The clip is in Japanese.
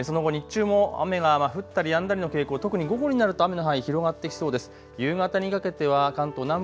その後、日中も雨が降ったりやんだりの傾向、特に午後になると雨の範囲、広がってきそうです。